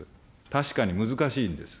確かに難しいんです。